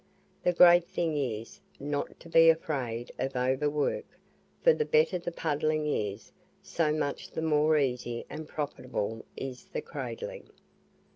The great thing is, not to be afraid Of over work, for the better the puddling is, so much the more easy and profitable is the cradling.